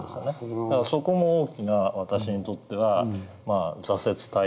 だからそこも大きな私にとってはまあ挫折体験で。